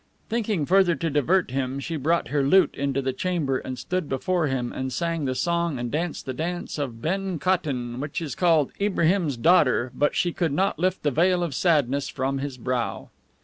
Thinking further to divert him, she brought her lute into the chamber and stood before him, and sang the song and danced the dance of BEN KOTTON, which is called IBRAHIM's DAUGHTER, but she could not lift the veil of sadness from his brow.